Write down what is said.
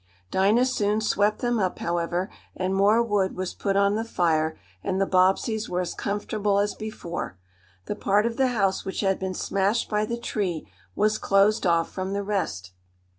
Dinah soon swept them up, however, and more wood was put on the fire, and the Bobbseys were as comfortable as before. The part of the house which had been smashed by the tree was closed off from the rest.